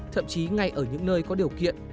thậm chí ngay ở những nơi có điều kiện